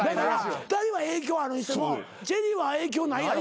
２人は影響あるにしてもチェリーは影響ないやろ？